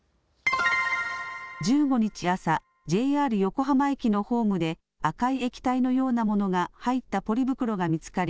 １５日朝、ＪＲ横浜駅のホームで赤い液体のようなものが入ったポリ袋が見つかり